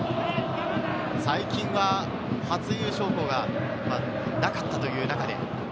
最近は初優勝校がなかったという中で。